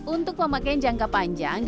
untuk pemakaian jangka panjang